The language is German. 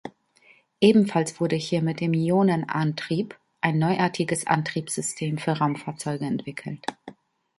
Ebenfalls wurde hier mit dem Ionenantrieb ein neuartiges Antriebssystem für Raumfahrzeuge entwickelt.